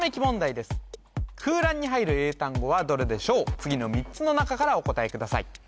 次の３つの中からお答えください